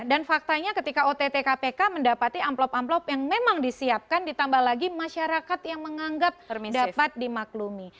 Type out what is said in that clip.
dan faktanya ketika ott kpk mendapati amplop amplop yang memang disiapkan ditambah lagi masyarakat yang menganggap dapat dimaklumi